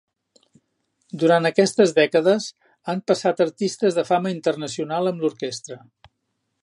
Durant aquestes dècades han passat artistes de fama internacional amb l'orquestra.